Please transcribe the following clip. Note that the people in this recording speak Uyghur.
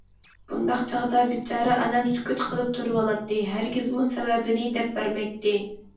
بۇنداق چاغدا بىچارە ئانام سۈكۈت قىلىپ تۇرۇۋالاتتى، ھەرگىزمۇ سەۋەبىنى دەپ بەرمەيتتى.